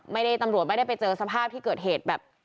ตำรวจไม่ได้ไปเจอสภาพที่เกิดเหตุแบบ